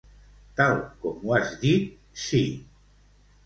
Tal com has dit; sí.